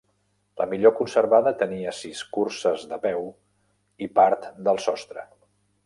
La millor conservada tenia sis curses de peu i part del sostre.